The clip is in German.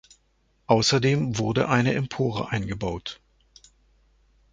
Außerdem wurde eine Empore eingebaut.